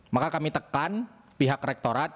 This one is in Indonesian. maka kami tekan pihak rektorat